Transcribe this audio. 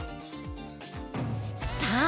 さあ！